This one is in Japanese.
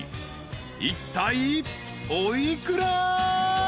いったいお幾ら？］